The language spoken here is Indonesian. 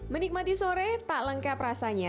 menikmati sore tak lengkap rasanya